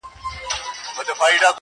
کنعان خوږ دی قاسم یاره د یوسف له شرافته,